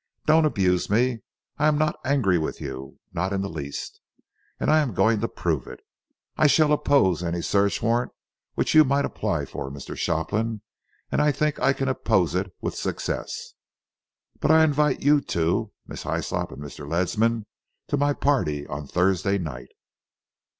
"Don't abuse me. I am not angry with you not in the least and I am going to prove it. I shall oppose any search warrant which you might apply for, Mr. Shopland, and I think I can oppose it with success. But I invite you two, Miss Hyslop and Mr. Ledsam, to my party on Thursday night.